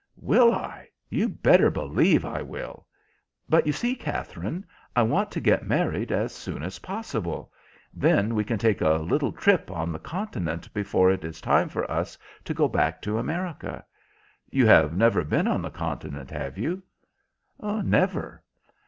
"Will I? You better believe I will. But you see, Katherine, I want to get married as soon as possible. Then we can take a little trip on the Continent before it is time for us to go back to America. You have never been on the Continent, have you?" "Never."